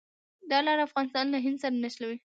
دا لار افغانستان له هند سره نښلوي.